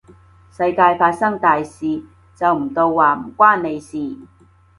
世界發生大事，就唔到話唔關你事